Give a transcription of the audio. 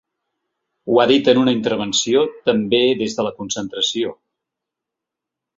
Ho ha dit en una intervenció també des de la concentració.